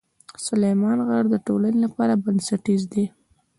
سلیمان غر د ټولنې لپاره بنسټیز دی.